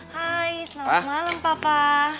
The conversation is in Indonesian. hai selamat malam papa